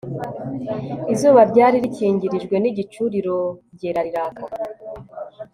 izuba ryari rikingirijwe n'igicu rirongera riraka